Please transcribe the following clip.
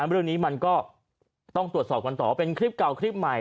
เรื่องนี้มันก็ต้องตรวจสอบกันต่อเป็นคลิปเก่าคลิปใหม่